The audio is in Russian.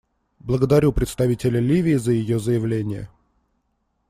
Благодарю представителя Ливии за ее заявление.